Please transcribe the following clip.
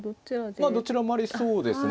まあどちらもありそうですね。